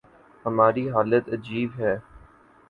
ہماری حالت عجیب ہے۔